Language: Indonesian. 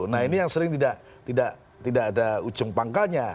nah ini yang sering tidak ada ujung pangkalnya